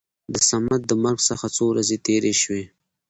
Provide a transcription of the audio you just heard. د صمد د مرګ څخه څو ورځې تېرې شوې.